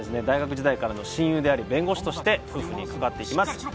大学時代からの親友であり弁護士として夫婦に関わっていきます